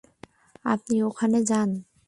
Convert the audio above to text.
আপনি ওখানে যান।